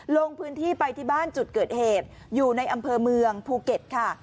ลงพื้นที่ไปที่บ้านจุดเกิดเหตุอยู่ในอำเภอเมืองภูเก็ตค่ะ